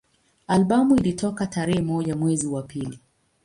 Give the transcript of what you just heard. Albamu ilitoka tarehe moja mwezi wa pili